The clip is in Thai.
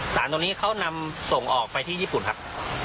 สารตัวนี้เขานำส่งออกไปที่ญี่ปุ่นครับ